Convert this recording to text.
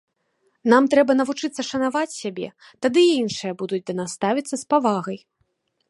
Нам трэба навучыцца шанаваць сябе, тады і іншыя будуць да нас ставіцца з павагай.